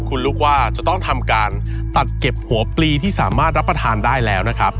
คุณลูกว่าจะต้องทำการตัดเก็บหัวปลีที่สามารถรับประทานได้แล้วนะครับ